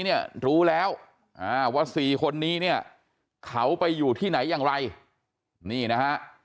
เนี่ยรู้แล้วว่าสี่คนนี้เนี่ยเขาไปอยู่ที่ไหนอย่างไรนี่นะฮะ